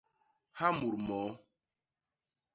Ha mut moo.